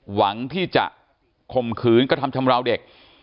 หวังที่จะข่มขืนกระทำชำราวเด็ก